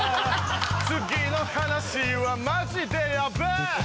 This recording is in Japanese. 次の話はマジでやべぇ！